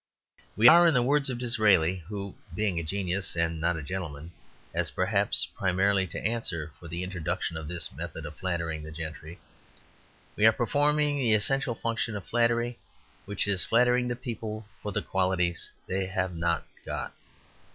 We are, in the words of Disraeli (who, being a genius and not a gentleman, has perhaps primarily to answer for the introduction of this method of flattering the gentry), we are performing the essential function of flattery which is flattering the people for the qualities they have not got.